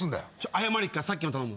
謝りに行くからさっきの頼む。